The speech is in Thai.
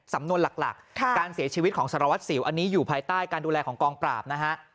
สำนวนหลักการเสียชีวิตของสารวัตรสิวอันนี้อยู่ภายใต้การดูแลของกองปราบนะฮะ